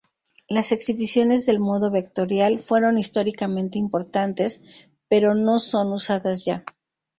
Las exhibiciones del modo vectorial fueron históricamente importantes pero no son usadas ya.